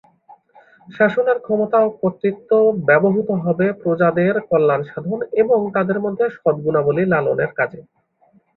শাসনের ক্ষমতা ও কর্তৃত্ব ব্যবহূত হবে প্রজাদের কল্যাণসাধন এবং তাদের মধ্যে সদগুণাবলি লালনের কাজে।